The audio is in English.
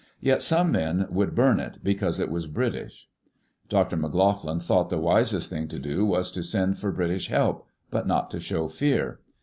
Yet some men would burn it because it was British. Dr. McLoughlin thought the wisest thing to do was to send for British help, but not to show fear.